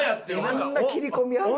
あんな切り込みある？